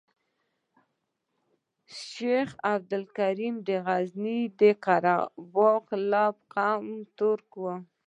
شیخ عبدالکریم د غزني د قره باغ او په قوم ترک وو.